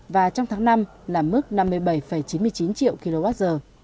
và trong tháng năm là mức năm mươi bảy chín mươi chín triệu kwh